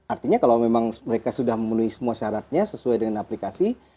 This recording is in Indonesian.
artinya kalau memang mereka sudah memenuhi semua syaratnya sesuai dengan aplikasi